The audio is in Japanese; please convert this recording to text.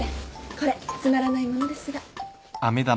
これつまらないものですが。